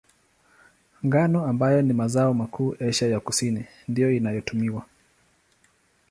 Ngano, ambayo ni mazao makuu Asia ya Kusini, ndiyo inayotumiwa.